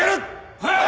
はい！